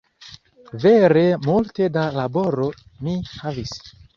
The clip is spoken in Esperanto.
Vere multe da laboro mi havis